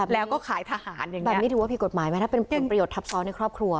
แล้วก็ขายทหารแบบนี้ถือว่าผิดกฎหมายไหมถ้าเป็นประโยชน์ทับซ้อนในครอบครัว